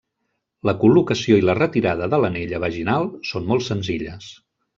La col·locació i la retirada de l'anella vaginal són molt senzilles.